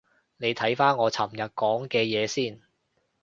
你睇返我尋日講嘅嘢先